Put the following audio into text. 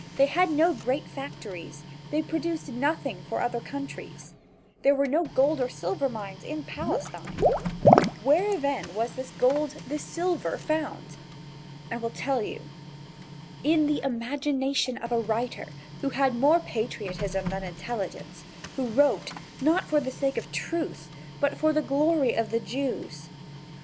They had no great factories, they produced nothing for other countries. There were no gold or silver mines in Palestine. Where then was this gold, this silver found? I will tell you: In the imagination of a writer who had more patriotism than intelligence, and who wrote, not for the sake of truth, but for the glory of the Jews.